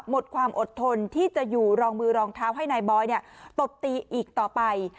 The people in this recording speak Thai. หมดความอดทนที่จะอยู่รองมือรองเท้าให้นายบอยตบตีอีกต่อไป